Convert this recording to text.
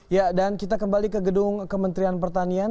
ya dan kita kembali ke gedung kementerian pertanian